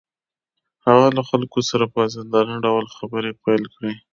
هغه له خلکو سره په ازادانه ډول خبرې پيل کړې.